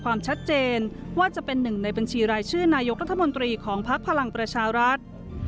ความชัดเจนว่าจะเป็นหนึ่งในบัญชีรายชื่อนายกรัฐมนตรีของพักพลังประชารัฐ